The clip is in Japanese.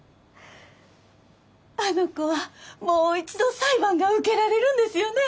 あの子はもう一度裁判が受けられるんですよね？